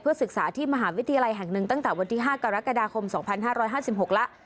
ศึกษาที่มหาวิทยาลัยแห่งหนึ่งตั้งแต่วันที่๕กรกฎาคม๒๕๕๖แล้ว